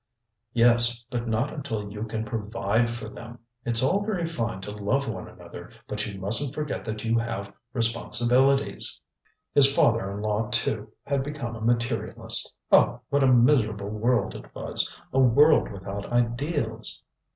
ŌĆØ ŌĆ£Yes, but not until you can provide for them. ItŌĆÖs all very fine to love one another, but you musnŌĆÖt forget that you have responsibilities. ŌĆØ His father in law, too, had become a materialist. Oh! what a miserable world it was! A world without ideals!